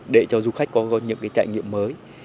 để cho du khách có những trải nghiệm mới